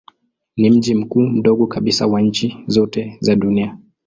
Ni mji mkuu mdogo kabisa wa nchi zote za dunia.